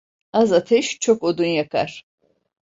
Az ateş çok odunu yakar.